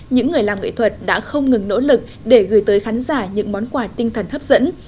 những người làm nghệ thuật đã không ngừng nỗ lực để gửi tới khán giả những món quà tinh thần hấp dẫn